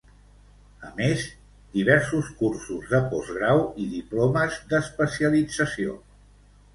A més, diversos cursos de postgrau i diplomes d'especialització.